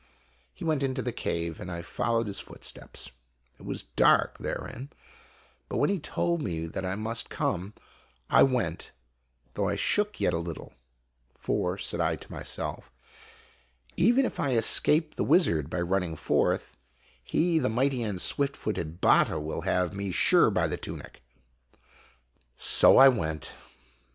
He went into the cave, and I followed his footsteps. It was dark therein ; but when he told me that I must come, I went, though I shook yet a little. "For," said I to my self, "even if I escape the wizard by running forth, he, the mighty and swift footed Batta, will have me sure by the tunic." So I went.